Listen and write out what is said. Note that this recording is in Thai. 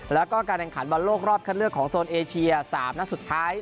แล้วก็การแข่งขันบอลโลกรอบคัดเลือกของโซนเอเชีย๓นัดสุดท้าย